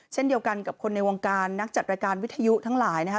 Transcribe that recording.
เช่นเดียวกันกับคนในวงการนักจัดรายการวิทยุทั้งหลายนะคะ